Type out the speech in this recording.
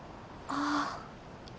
ああ。